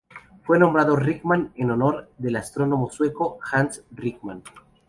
Fue nombrado Rickman en honor del astrónomo sueco Hans Rickman.